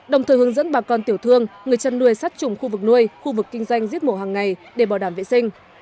đồng thời hướng dẫn bà con tiểu thương người chăn nuôi sát trùng khu vực nuôi khu vực kinh doanh giết mổ hàng ngày để bảo đảm vệ sinh